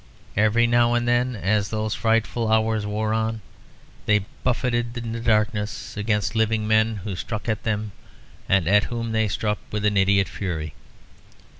Every now and then, as those frightful hours wore on, they buffeted in the darkness against living men, who struck at them and at whom they struck, with an idiot fury.